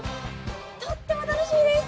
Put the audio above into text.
とっても楽しみです！